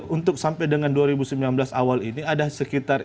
untuk sampai dengan dua ribu sembilan belas awal ini ada sekitar